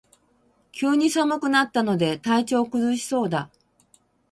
急に寒くなったので体調を崩しそうだ